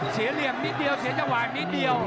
เสียเหลี่ยมนิดเดียวเสียเจาะนิดเดียว